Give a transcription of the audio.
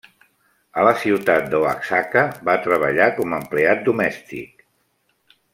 A la ciutat d'Oaxaca, va treballar com a empleat domèstic.